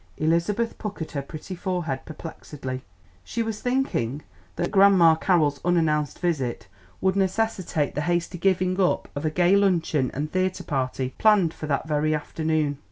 Elizabeth puckered her pretty forehead perplexedly; she was thinking that Grandma Carroll's unannounced visit would necessitate the hasty giving up of a gay luncheon and theatre party planned for that very afternoon.